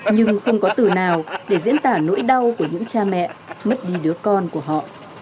nhưng không có từ nào để diễn tả nỗi đau của những cha mẹ mất đi đứa con của họ